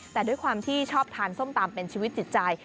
แต่ด้วยความที่ชอบทานส้มตำเป็นชีวิตจิตใจ